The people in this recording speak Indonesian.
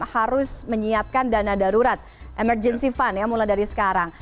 harus menyiapkan dana darurat emergency fund ya mulai dari sekarang